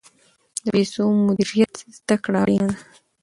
د پیسو مدیریت زده کړه اړینه ده.